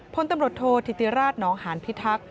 พลตำรวจโทษธิติราชนองหานพิทักษ์